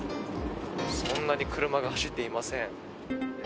そんなに車が走っていません。